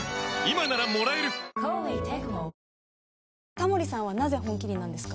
タモリさんはなぜ「本麒麟」なんですか？